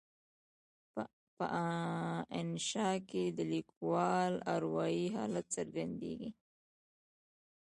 په انشأ کې د لیکوال اروایي حالت څرګندیږي.